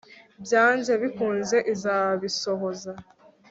byanze bikunze izabisohoza